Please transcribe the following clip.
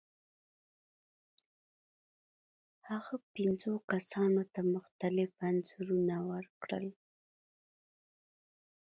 هغه پنځو کسانو ته مختلف انځورونه ورکړل.